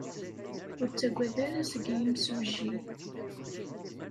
Ur ttaggad ara seg yimsujji.